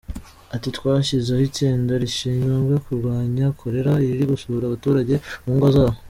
Ati twashyizeho itsinda rishinzwe kurwnya Cholera riri gusura abaturage mu ngo zabo.